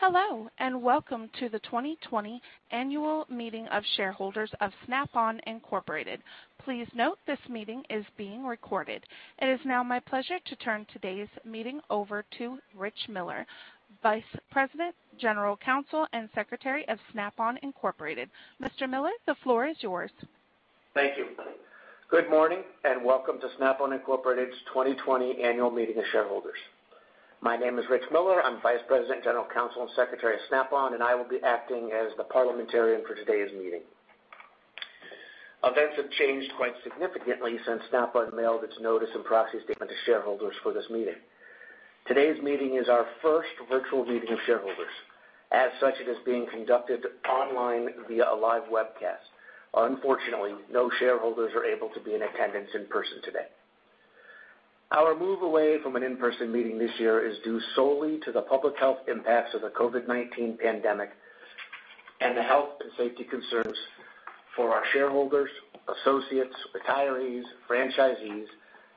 Hello, and welcome to the 2020 annual meeting of shareholders of Snap-on Incorporated. Please note this meeting is being recorded. It is now my pleasure to turn today's meeting over to Rich Miller, Vice President, General Counsel, and Secretary of Snap-on Incorporated. Mr. Miller, the floor is yours. Thank you. Good morning, and welcome to Snap-on Incorporated's 2020 annual meeting of Shareholders. My name is Rich Miller. I'm Vice President, General Counsel, and Secretary of Snap-on, and I will be acting as the parliamentarian for today's meeting. Events have changed quite significantly since Snap-on mailed its notice and proxy statement to shareholders for this meeting. Today's meeting is our first virtual meeting of shareholders. As such, it is being conducted online via a live webcast. Unfortunately, no shareholders are able to be in attendance in person today. Our move away from an in-person meeting this year is due solely to the public health impacts of the COVID-19 pandemic and the health and safety concerns for our shareholders, associates, retirees, franchisees,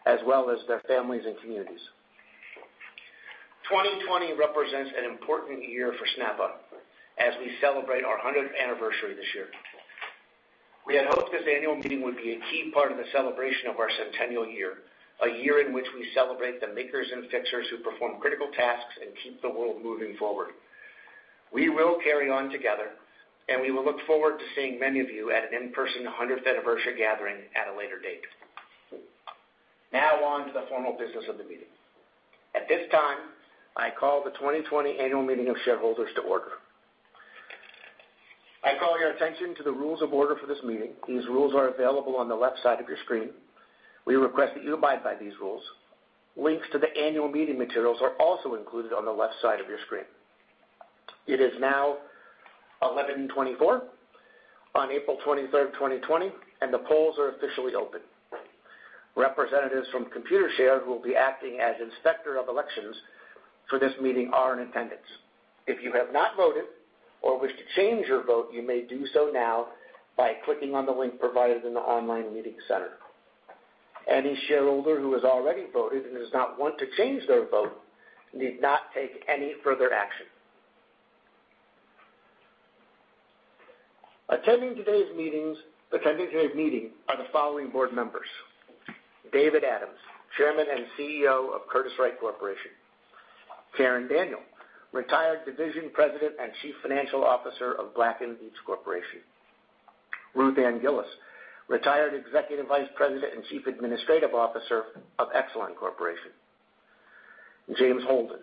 as well as their families and communities. 2020 represents an important year for Snap-on as we celebrate our 100th anniversary this year. We had hoped this annual meeting would be a key part of the celebration of our centennial year, a year in which we celebrate the makers and fixers who perform critical tasks and keep the world moving forward. We will carry on together, and we will look forward to seeing many of you at an in-person 100th anniversary gathering at a later date. Now, on to the formal business of the meeting. At this time, I call the 2020 Annual Meeting of Shareholders to order. I call your attention to the rules of order for this meeting. These rules are available on the left side of your screen. We request that you abide by these rules. Links to the annual meeting materials are also included on the left side of your screen. It is now 11:24 A.M. on April 23rd, 2020, and the polls are officially open. Representatives from Computershare who will be acting as Inspector of Elections for this meeting are in attendance. If you have not voted or wish to change your vote, you may do so now by clicking on the link provided in the online meeting center. Any shareholder who has already voted and does not want to change their vote need not take any further action. Attending today's meeting are the following board members: David C. Adams, Chairman and CEO of Curtiss-Wright Corporation, Karen L. Daniel, retired Division President and Chief Financial Officer of Black & Veatch Corporation, Ruth Ann M. Gillis, retired Executive Vice President and Chief Administrative Officer of ExxonMobil Corporation, James P. Holden,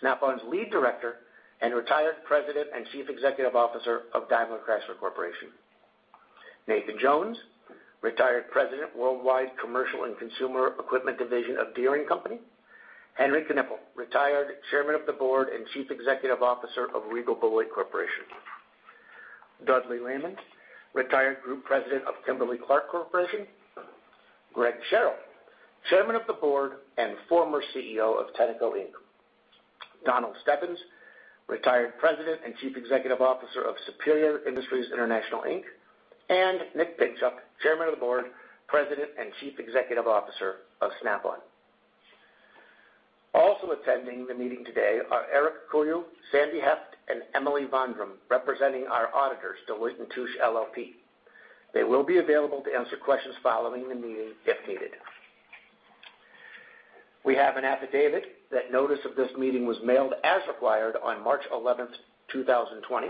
Snap-on's Lead Director and retired President and Chief Executive Officer of DaimlerChrysler Corporation, Nathan J. Jones, retired President, Worldwide Commercial and Consumer Equipment Division of Deere & Company, Henry W. Knippel, retired Chairman of the Board and Chief Executive Officer of Regal Beloit Corporation, W. Dudley Lehman, retired Group President of Kimberly-Clark Corporation, Greg M. Sherrill, Chairman of the Board and former CEO of Tenneco Inc., Donald J. Steppins, retired President and Chief Executive Officer of Superior Industries International, and Nicholas T. Pinchuk, Chairman of the Board, President and Chief Executive Officer of Snap-on. Also attending the meeting today are Eric Kuy, Sandy Heft, and Emily Von Drum representing our auditors, Deloitte & Touche LLP. They will be available to answer questions following the meeting if needed. We have an affidavit that notice of this meeting was mailed as required on March 11th, 2020,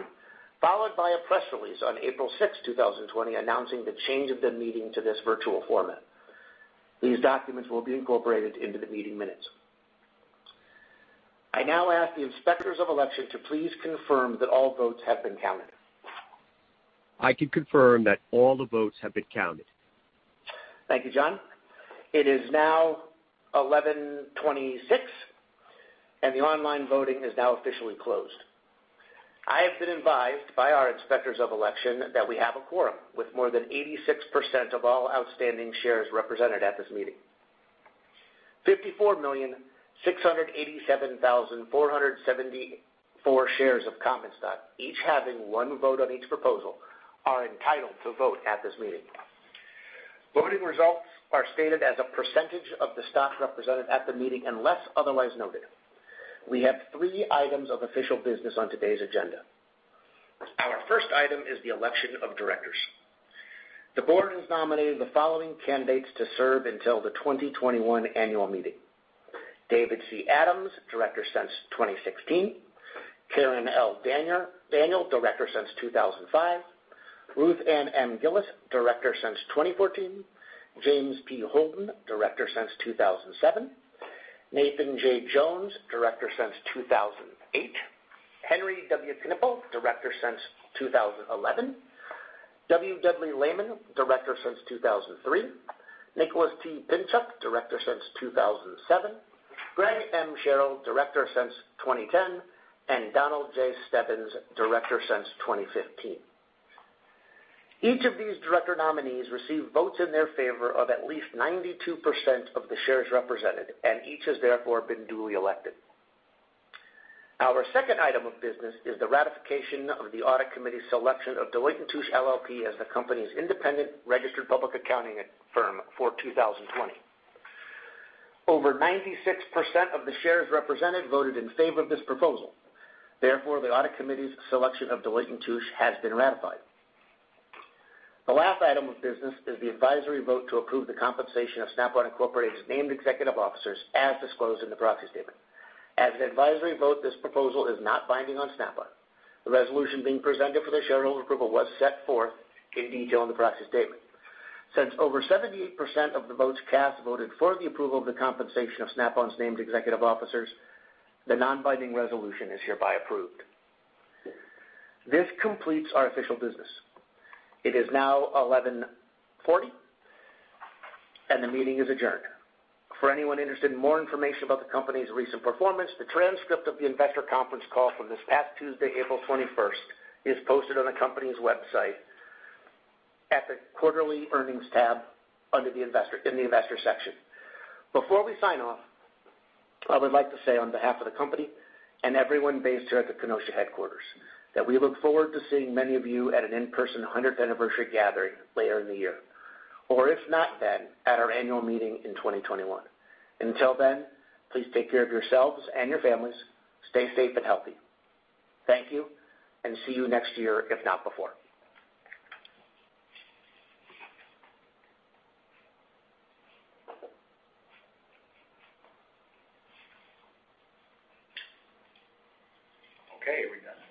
followed by a press release on April 6th, 2020, announcing the change of the meeting to this virtual format. These documents will be incorporated into the meeting minutes. I now ask the Inspectors of Election to please confirm that all votes have been counted. I can confirm that all the votes have been counted. Thank you, John. It is now 11:26 A.M., and the online voting is now officially closed. I have been advised by our Inspectors of Election that we have a quorum with more than 86% of all outstanding shares represented at this meeting. 54,687,474 shares of Common Stock, each having one vote on each proposal, are entitled to vote at this meeting. Voting results are stated as a percentage of the stock represented at the meeting unless otherwise noted. We have three items of official business on today's agenda. Our first item is the election of directors. The board has nominated the following candidates to serve until the 2021 annual meeting: David C. Adams, Director since 2016; Karen L. Daniel, Director since 2005; Ruth Ann M. Gillis, Director since 2014; James P. Holden, Director since 2007; Nathan J. Jones, Director since 2008; Henry W. Knippel, Director since 2011; W. W. Lehman, Director since 2003; Nicholas T. Pinchuk, Director since 2007; Greg M. Sherrill, Director since 2010; and Donald J. Steppins, Director since 2015. Each of these director nominees received votes in their favor of at least 92% of the shares represented, and each has therefore been duly elected. Our second item of business is the ratification of the Audit Committee's selection of Deloitte & Touche LLP as the company's independent registered public accounting firm for 2020. Over 96% of the shares represented voted in favor of this proposal. Therefore, the Audit Committee's selection of Deloitte & Touche has been ratified. The last item of business is the advisory vote to approve the compensation of Snap-on Incorporated's named executive officers as disclosed in the proxy statement. As an advisory vote, this proposal is not binding on Snap-on. The resolution being presented for the shareholder approval was set forth in detail in the proxy statement. Since over 78% of the votes cast voted for the approval of the compensation of Snap-on's named executive officers, the non-binding resolution is hereby approved. This completes our official business. It is now 11:40 A.M., and the meeting is adjourned. For anyone interested in more information about the company's recent performance, the transcript of the investor conference call from this past Tuesday, April 21st, is posted on the company's website at the quarterly earnings tab under the investor section. Before we sign off, I would like to say on behalf of the company and everyone based here at the Kenosha headquarters that we look forward to seeing many of you at an in-person 100th anniversary gathering later in the year, or if not, then at our annual meeting in 2021. Until then, please take care of yourselves and your families. Stay safe and healthy. Thank you, and see you next year, if not before. Okay.